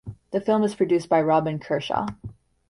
The film is produced by Robyn Kershaw.